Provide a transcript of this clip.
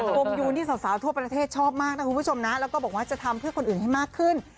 โฮมยูนที่สาวทั่วประเทศชอบมากนะคุณผู้ชมนะแล้วก็บอกว่าจะทำเพื่อคนอื่นให้มากขึ้น